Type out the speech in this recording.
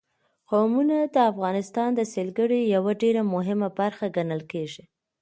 قومونه د افغانستان د سیلګرۍ یوه ډېره مهمه برخه ګڼل کېږي.